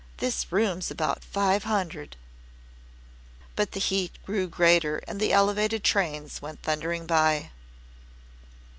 This room's about five hundred." But the heat grew greater and the Elevated trains went thundering by.